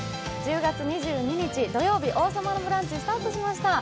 １０月２２日、土曜日「王様のブランチ」スタートしました。